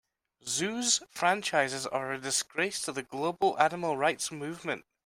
Zoos franchises are a disgrace to the global animal rights movement.